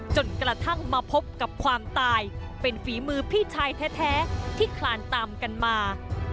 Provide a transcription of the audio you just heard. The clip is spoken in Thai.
จนกระทั่งมาพบกับความตายเป็นฝีมือพี่ชายแท้ที่คลานตามกันมา